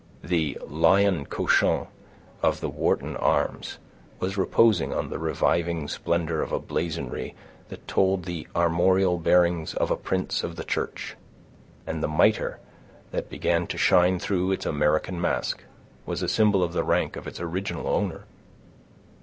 The "lion couchant" of the Wharton arms was reposing on the reviving splendor of a blazonry that told the armorial bearings of a prince of the church; and the miter, that began to shine through its American mask, was a symbol of the rank of its original owner.